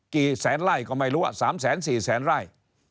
กี่แสนไร่ก็ไม่รู้สามแสนสี่แสนไร่